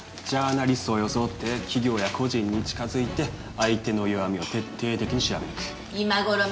ジャーナリストを装って企業や個人に近づいて相手の弱みを徹底的に調べ抜く